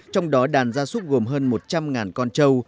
trong đó đàn gia súc gồm hơn một trăm linh con trâu